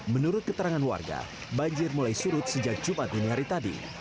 menurut keterangan warga banjir mulai surut sejak jumat dini hari tadi